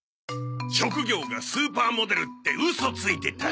職業がスーパーモデルってウソついてたんだ。